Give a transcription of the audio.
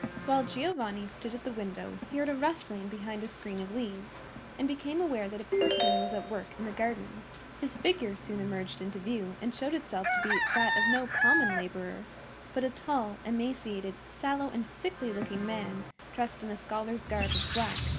While Giovanni stood at the window he heard a rustling behind a screen of leaves, and became aware that a person was at work in the garden. His figure soon emerged into view, and showed itself to be that of no common laborer, but a tall, emaciated, sallow, and sickly looking man, dressed in a scholar's garb of black.